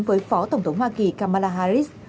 với phó tổng thống hoa kỳ kamala harris